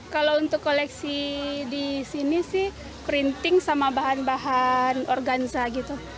kalau untuk koleksi di sini sih printing sama bahan bahan organza gitu